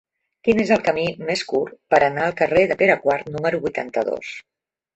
Quin és el camí més curt per anar al carrer de Pere IV número vuitanta-dos?